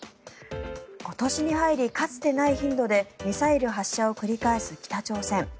今年に入り、かつてない頻度でミサイル発射を繰り返す北朝鮮。